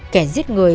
kẻ giết người